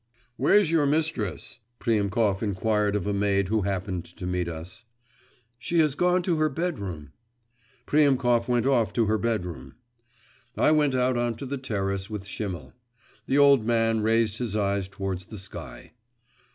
'Where's your mistress?' Priemkov inquired of a maid who happened to meet us. 'She has gone to her bedroom.' Priemkov went off to her bedroom. I went out on to the terrace with Schimmel. The old man raised his eyes towards the sky.